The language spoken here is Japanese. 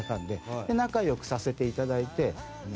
で仲良くさせて頂いて。